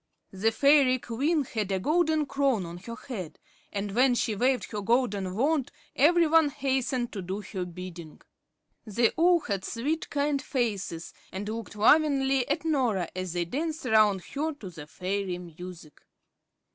The fairy queen had a golden crown on her head, and when she waved her golden wand, every one hastened to do her bidding. They all had sweet, kind faces, and looked lovingly at Norah as they danced around her to the fairy music.